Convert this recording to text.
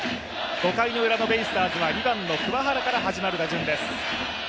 ５回ウラのベイスターズは２番の桑原から始まる打順です。